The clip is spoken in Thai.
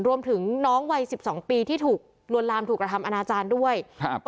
รวมถึงน้องวัยสิบสองปีที่ถูกลวนลามถูกกระทำอนาจารย์ด้วยครับ